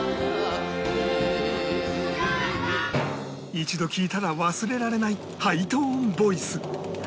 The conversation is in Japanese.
一度聴いたら忘れられないハイトーンボイス